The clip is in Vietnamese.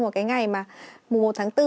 một cái ngày mà mùa một tháng bốn